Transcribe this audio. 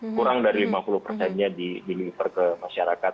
kurang dari lima puluh persennya di deliver ke masyarakat